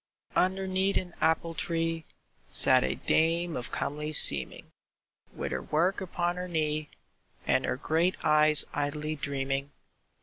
Underneath an apple tree Sat a dame of comely seeming, With her work upon her knee, And her great eyes idly dreaming.